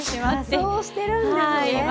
仮装してるんですね。